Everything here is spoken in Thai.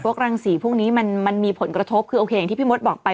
รังสีพวกนี้มันมีผลกระทบคือโอเคอย่างที่พี่มดบอกไป